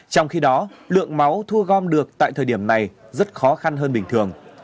trong khi đó lượng máu thu gom được tại thời điểm này rất khó khăn hơn bình thường